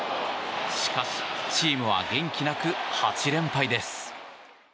しかし、チームは元気なく８連敗です。